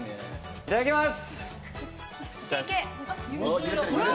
いただきます！